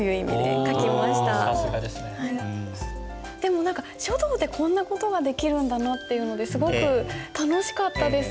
でも書道でこんな事ができるんだなっていうのですごく楽しかったです。